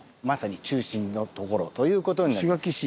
まさに中心のところということになります。